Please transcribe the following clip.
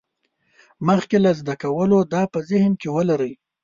مخکې له زده کولو دا په ذهن کې ولرئ.